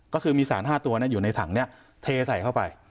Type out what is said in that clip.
ก็คือมีสาร๕ตัวอยู่ในถังนี้เทใส่เข้าไป